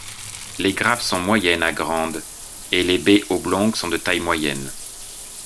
Les grappes sont moyennes à grandes et les baies oblongues sont de taille moyenne.